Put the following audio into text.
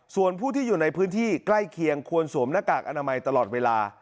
ส่วนผู้ที่อยู่ในพื้นที่ใกล้เคียงควรสวมหน้ากากอนามัยตลอดเวลา